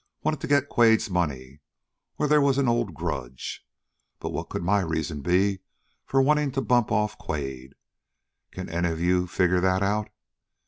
Wanted to get Quade's money, or they was an old grudge. But what could my reason be for wanting to bump off Quade? Can any of you figure that out?